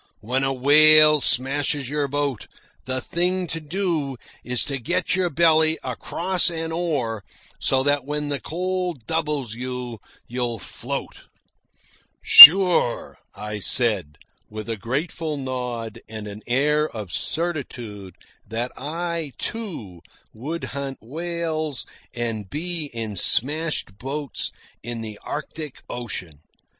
When a whale smashes your boat, the thing to do is to get your belly across an oar, so that when the cold doubles you you'll float." "Sure," I said, with a grateful nod and an air of certitude that I, too, would hunt whales and be in smashed boats in the Arctic Ocean.